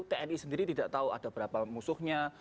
tni sendiri tidak tahu ada berapa musuhnya